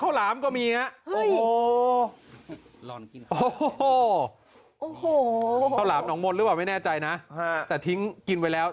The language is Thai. หลามก็มีฮะโอ้โหข้าวหลามหนองมนต์หรือเปล่าไม่แน่ใจนะแต่ทิ้งกินไว้แล้ว